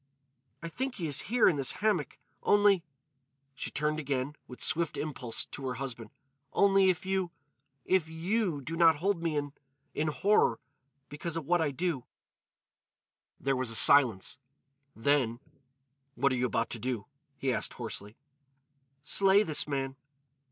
"I think he is here in this hammock. Only——" she turned again, with swift impulse, to her husband, "—only if you—if you do not hold me in—in horror—because of what I do——" There was a silence; then: "What are you about to do?" he asked hoarsely. "Slay this man."